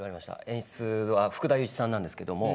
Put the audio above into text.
演出は福田雄一さんなんですけども。